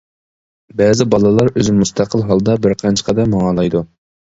بەزى بالىلار ئۆزى مۇستەقىل ھالدا بىر قانچە قەدەم ماڭالايدۇ.